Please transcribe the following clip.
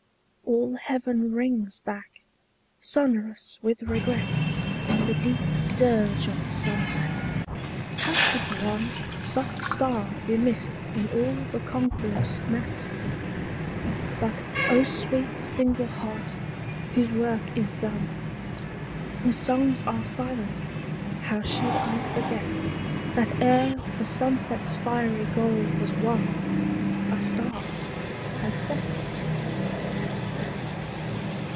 All heaven rings back, sonorous with regret, The deep dirge of the sunset: how should one Soft star be missed in all the concourse met? But, O sweet single heart whose work is done, Whose songs are silent, how should I forget That ere the sunset's fiery goal was won A star had set?